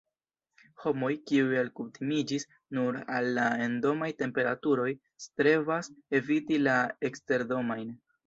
Homoj, kiuj alkutimiĝis nur al la endomaj temperaturoj, strebas eviti la eksterdomajn.